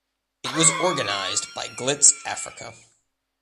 It was organized by Glitz Africa.